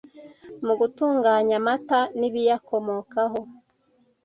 mu gutunganya amata n’ibiyakomokaho,